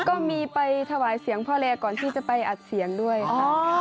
ก็มีไปถวายเสียงพ่อแร่ก่อนที่จะไปอัดเสียงด้วยค่ะ